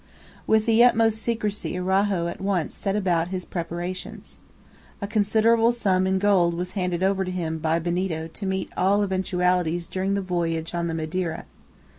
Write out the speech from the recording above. With the utmost secrecy Araujo at once set about his preparations. A considerable sum in gold was handed over to him by Benito to meet all eventualities during the voyage on the Madeira.